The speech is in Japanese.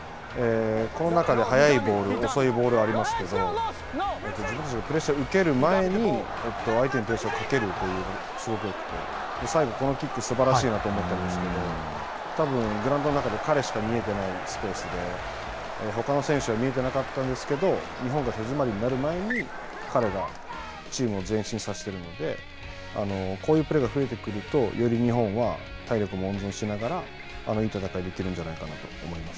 この中で速いボール、遅いボールありますけれども、自分たちがプレッシャーを受ける前に、相手にプレッシャーをかけるという、このキックすばらしいなと思ったんですけども、たぶん、グラウンドの中で彼しか見えてないスペースで、ほかの選手は見えてなかったんですけども、日本が手詰まりになる前に、彼がチームを前進させてるので、こういうプレーが増えてくると、より日本は体力も温存しながら、いい戦いできるんじゃないかなと思います。